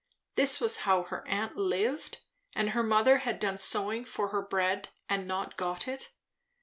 This was how her aunt lived! and her mother had done sewing for her bread, and not got it.